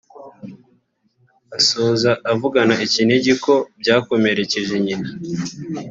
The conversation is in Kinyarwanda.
Asoza avugana ikiniga ko byakomerekeje nyina